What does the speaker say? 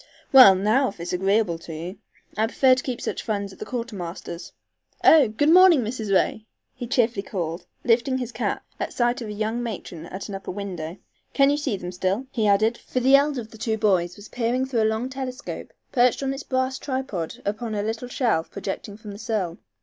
"Well, now, if agreeable to you. I prefer to keep such funds at the quartermaster's. Oh Good morning, Mrs. Ray!" he cheerily called, lifting his cap, at sight of a young matron at an upper window. "Can you see them still?" he added, for the elder of the two boys was peering through a long telescope, perched on its brass tripod upon a little shelf projecting from the sill.